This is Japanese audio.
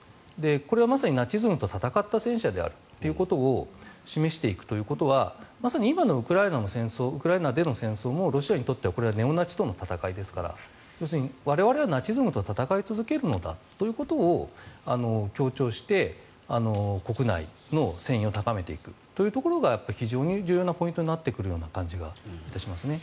これはまさにナチズムと戦った戦車であるということを示していくということはまさに今のウクライナでの戦争もロシアにとってはネオナチとの戦いですから我々はナチズムと戦い続けるのだということを強調して、国内の戦意を高めていくということが非常に重要なポイントになってくるような感じがいたします。